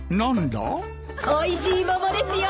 おいしい桃ですよ。